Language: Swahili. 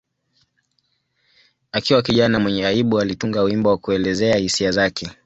Akiwa kijana mwenye aibu, alitunga wimbo wa kuelezea hisia zake.